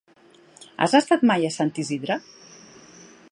Has estat mai a Sant Isidre?